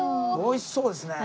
美味しそうですね。